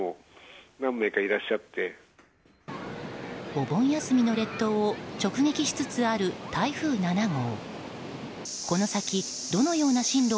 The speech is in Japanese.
お盆休みの列島を直撃しつつある台風７号。